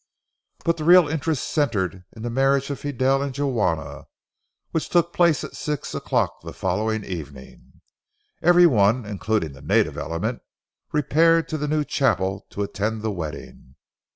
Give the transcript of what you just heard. But the real interest centred in the marriage of Fidel and Juana, which took place at six o'clock the following evening. Every one, including the native element, repaired to the new chapel to attend the wedding.